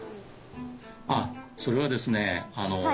あっそれはですね